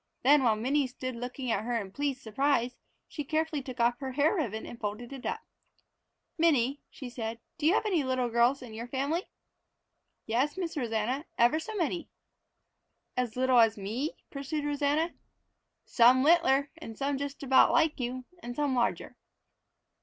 Then while Minnie stood looking at her in pleased surprise, she carefully took off her hair ribbon and folded it up! "Minnie," she said, "have you any little girls in your family?" "Yes, Miss Rosanna, ever so many." "As little as me?" pursued Rosanna. "Some littler, and some just about like you, and some larger."